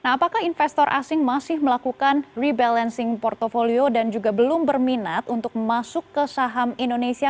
apakah investor asing masih melakukan rebalancing portfolio dan juga belum berminat untuk masuk ke saham indonesia